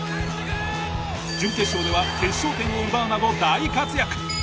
準決勝では決勝点を奪うなど大活躍。